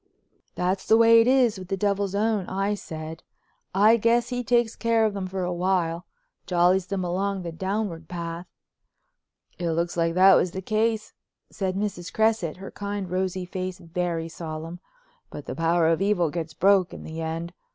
"That's the way it is with the Devil's own," I said. "I guess he takes care of them for a while; jollies them along the downward path." "It looks like that was the case," said Mrs. Cresset, her kind, rosy face very solemn. "But the power of evil gets broke in the end.